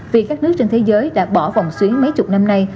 vì các nước trên thế giới đã bỏ vòng xuyến mấy chục năm nay